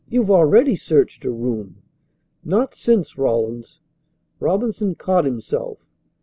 "You've already searched her room." "Not since Rawlins " Robinson caught himself.